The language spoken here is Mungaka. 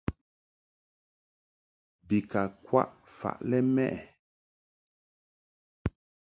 Bi ka kwaʼ faʼ lɛ mɛʼ ɛ ?